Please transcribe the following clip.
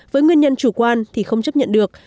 với nguyên nhân chủ quan thì không chấp nhận được